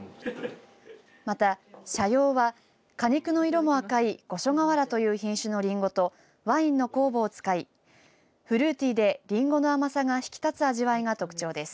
また、斜陽は果肉の色が赤い御所川原という品種のりんごとワインの酵母を使いフルーティーでりんごの甘さが引き立つ味わいが特徴です。